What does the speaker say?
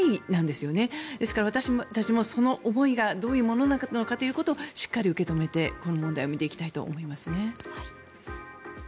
ですから私たちもその思いがどういうものなのかということをしっかり受け止めて、この問題を見ていきたいと思いますね。